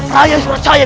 rai yang percaya